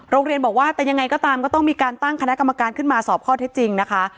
โรงเรียนบอกว่าแต่ยังไงก็ตามก็ต้องมีการตั้งคณะกรรมการขึ้นมาสอบข้อเท็จจริงนะคะ